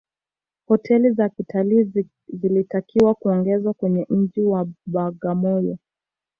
hoteli za kitalii zilitakiwa kuongezwa kwenye mji wa bagamoyo